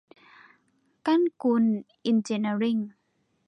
กันกุลเอ็นจิเนียริ่ง